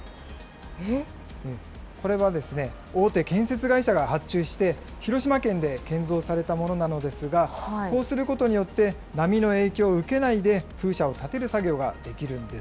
これは、大手建設会社が発注して、広島県で建造されたものなのですが、こうすることによって、波の影響を受けないで風車を建てる作業ができるんです。